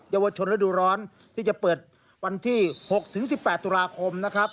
เยาวชนฤดูร้อนที่จะเปิดวันที่๖๑๘ตุลาคมนะครับ